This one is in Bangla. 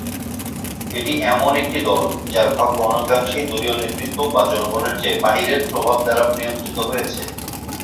এটি এমন একটি দল যার ভাগ্য অনেকাংশেই দলীয় নেতৃত্ব বা জনগণের চেয়ে বাহিরের প্রভাব দ্বারা নিয়ন্ত্রিত হয়েছে।